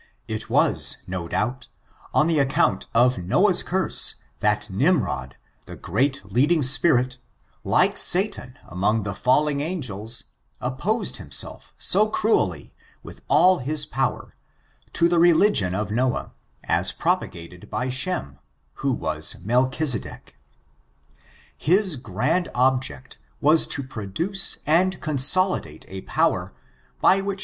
It was, no doubt, on the account of Noah's curse that Nimrod, the great leading spirit, like Satan among the fjedleii angels, opposed himself so cruelly with €lU his pow er, to the religion of Noah, as propagated by Shsnif who was Melchisedek His ^grand atjeot was M> proi> duce and consolidate a powe^r by which